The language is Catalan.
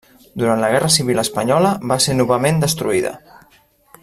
Durant la guerra civil espanyola va ser novament destruïda.